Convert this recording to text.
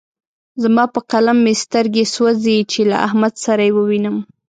زما په قلم مې سترګې سوځې چې له احمد سره يې ووينم.